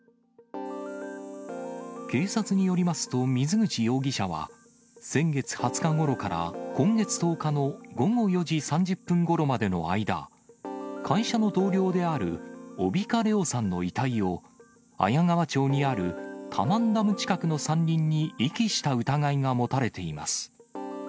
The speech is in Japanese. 警察によりますと水口容疑者は、先月２０日ごろから今月１０日の午後４時３０分ごろまでの間、会社の同僚である小比賀玲央さんの遺体を綾川町にある田万ダム近くの山林に遺棄した疑いが持たれています。